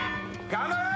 頑張れ。